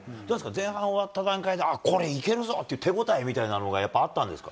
前半終わった段階で、これ、いけるぞっていう手応えみたいなものがあったんですか。